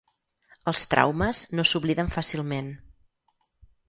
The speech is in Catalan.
Els traumes no s’obliden fàcilment.